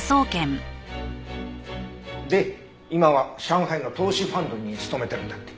で今は上海の投資ファンドに勤めてるんだって。